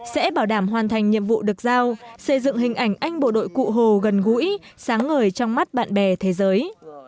sẽ bảo đảm hoàn thành nhiệm vụ được giao xây dựng hình ảnh anh bộ đội cụ hồ gần gũi sáng ngời trong mắt bạn bè thế giới